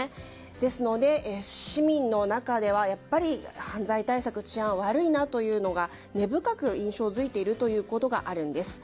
ですので市民の中では犯罪対策、治安が悪いなというのが根深く印象づいているということがあるんです。